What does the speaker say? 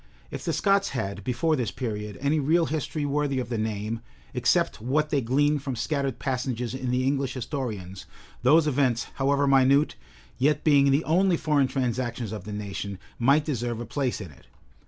If the Scots had, before this period, any real history worthy of the name, except what they glean from scattered passages in the English historians, those events, however minute, yet being the only foreign transactions of the nation, might deserve a place in it.